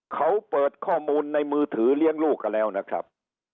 เขาเปิดข้อมูลในมือถือเลี้ยงลูกกันแล้วนะครับ